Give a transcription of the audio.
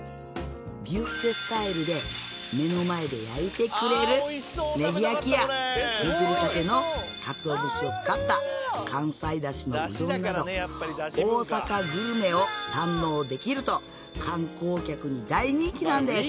ビュッフェスタイルで目の前で焼いてくれるねぎ焼きや削りたてのかつお節を使った関西だしのうどんなど大阪グルメを堪能できると観光客に大人気なんです。